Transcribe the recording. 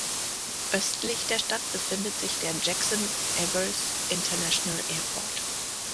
Östlich der Stadt befindet sich der Jackson-Evers International Airport.